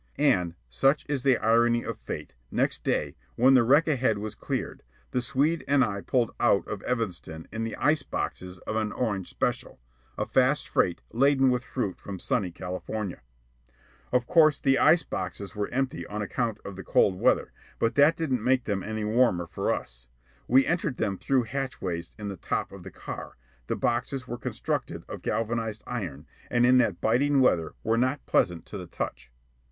And, such is the irony of fate, next day, when the wreck ahead was cleared, the Swede and I pulled out of Evanston in the ice boxes of an "orange special," a fast freight laden with fruit from sunny California. Of course, the ice boxes were empty on account of the cold weather, but that didn't make them any warmer for us. We entered them through hatchways in the top of the car; the boxes were constructed of galvanized iron, and in that biting weather were not pleasant to the touch.